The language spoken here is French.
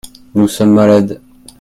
Nous sommes malades.